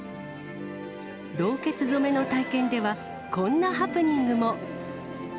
ろうけつ染めの体験では、こんなハプニングも。